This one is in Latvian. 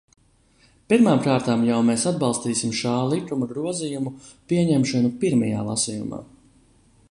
Pirmām kārtām jau mēs atbalstīsim šā likuma grozījumu pieņemšanu pirmajā lasījumā.